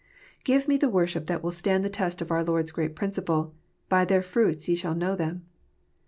Give me the worship that will stand the test of our Lord s great principle, " By their fruits ye shall know them."